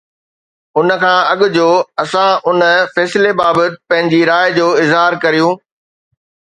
ان کان اڳ جو اسان ان فيصلي بابت پنهنجي راءِ جو اظهار ڪريون